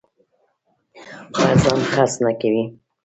پر ځان خرڅ نه کوي.